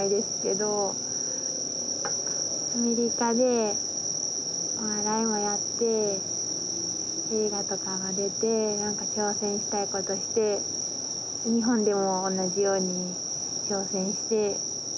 アメリカでお笑いもやって映画とかも出て何か挑戦したいことして日本でも同じように挑戦して。